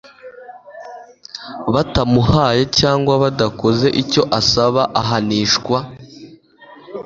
batamuhaye cyangwa badakoze icyo asaba ahanishwa